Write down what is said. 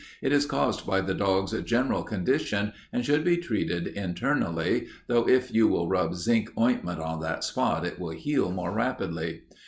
It is caused by the dog's general condition, and should be treated internally, though if you will rub zinc ointment on that spot it will heal more rapidly.